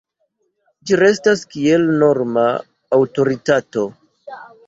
Ĝi restas kiel norma aŭtoritato.